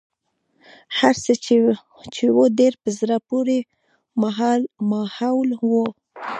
هرڅه چې و ډېر په زړه پورې ماحول و.